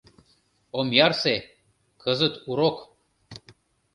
Ом ярсе, кызыт урок!